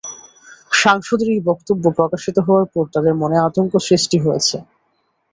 সাংসদের ওই বক্তব্য প্রকাশিত হওয়ার পর তাঁদের মনে আতঙ্ক সৃষ্টি হয়েছে।